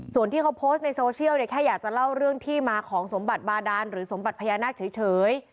ส่วนที่เขาโพสต์ในโซเชียลเนี่ยแค่อยากจะเล่าเรื่องที่มาของสมบัติบาดานหรือสมบัติพญานาคเฉย